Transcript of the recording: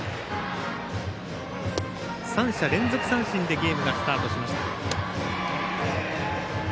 ３者連続三振でゲームがスタートしました。